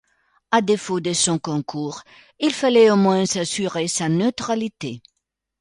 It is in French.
À défaut de son concours, il fallait au moins s’assurer sa neutralité.